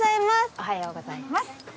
おはようございます。